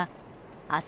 明日